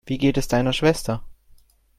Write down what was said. Wie geht es deiner Schwester?